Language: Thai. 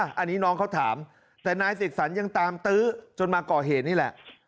อันนี้น้องเขาถามแต่นายเสกสรรยังตามตื้อจนมาก่อเหตุนี่แหละ